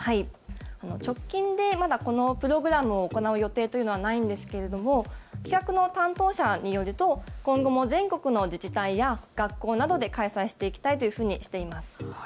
直近でまだ、このプログラムを行う予定というのはないんですけれど企画の担当者によると今後も全国の自治体や学校などで開催していきたいとしています。